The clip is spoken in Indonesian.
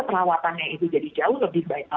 perawatannya itu jadi jauh lebih baik